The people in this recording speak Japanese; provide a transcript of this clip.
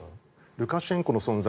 ルカシェンコの存在